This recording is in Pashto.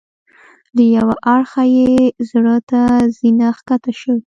له یوه اړخه یې زړه ته زینه ښکته شوې.